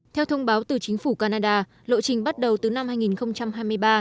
theo thông báo từ chính phủ canada lộ trình bắt đầu từ năm hai nghìn hai mươi ba